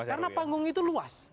karena panggung itu luas